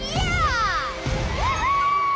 やったー！